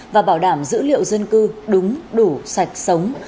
và bảo đảm dữ liệu dân cư đúng đủ sạch sống